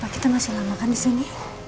kita masih lama kan di sini